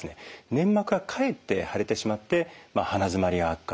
粘膜がかえって腫れてしまって鼻づまりが悪化すると。